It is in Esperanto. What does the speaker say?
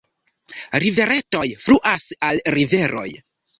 Riveretoj fluas al riveroj.